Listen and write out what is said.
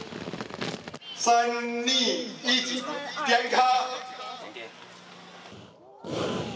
３、２、１点火！